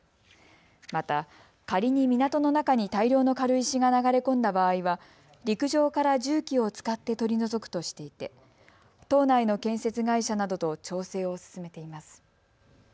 また、仮に港の中に大量の軽石が流れ込んだ場合は陸上から重機を使って取り除くとしていて島内の建設会社などと調整を進めています。